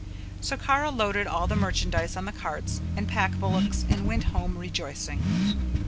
So Kara loaded all the merchandise on the carts and pack bullocks and went home rejoicing.